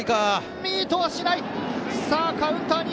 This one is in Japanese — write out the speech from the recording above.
ミートはしない。